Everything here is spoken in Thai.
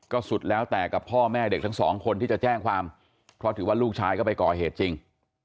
ก็สุดแล้วแต่กับพ่อแม่เด็กทั้งสองคนที่จะแจ้งความเพราะถือว่าลูกชายก็ไปก่อเหตุจริง